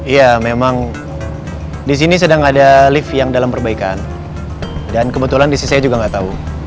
iya memang disini sedang ada lift yang dalam perbaikan dan kebetulan istri saya juga nggak tahu